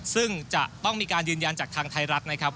ซึ่งจะต้องมีการยืนยันจากทางไทยรัฐนะครับ